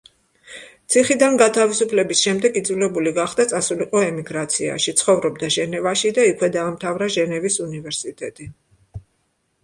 ციხიდან გათავისუფლების შემდეგ იძულებული გახდა წასულიყო ემიგრაციაში, ცხოვრობდა ჟენევაში და იქვე დაამთავრა ჟენევის უნივერსიტეტი.